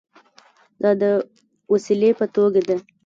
دا د وسیلې په توګه ده.